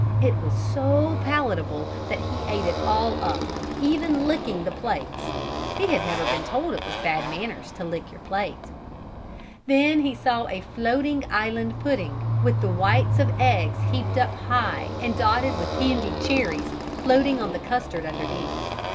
It was so palatable he ate it all up even licking the plates; he had never been told it was bad manners to lick your plate. Then he saw a floating island pudding, with the whites of eggs heaped up high and dotted with candied cherries, floating on the custard underneath.